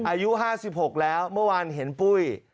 อายุห้าสิบหกแล้วเมื่อวานเห็นปุ้ย